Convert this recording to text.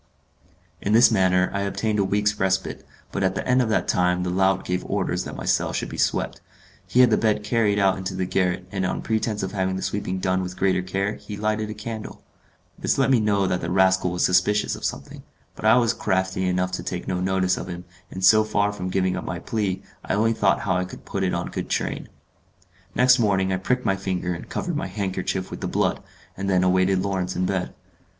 In this manner I obtained a week's respite, but at the end of that time the lout gave orders that my cell should be swept. He had the bed carried out into the garret, and on pretence of having the sweeping done with greater care, he lighted a candle. This let me know that the rascal was suspicious of something; but I was crafty enough to take no notice of him, and so far from giving up my plen, I only thought how I could put it on good train. Next morning I pricked my finger and covered my handkerchief with the blood, and then awaited Lawrence in bed.